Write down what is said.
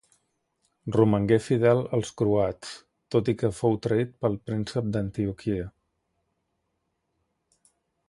Romangué fidel als croats, tot i que fou traït pel príncep d'Antioquia.